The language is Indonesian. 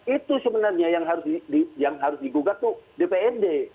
itu sebenarnya yang harus digugat tuh dprd